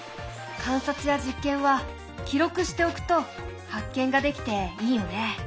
観察や実験は記録しておくと発見ができていいよね。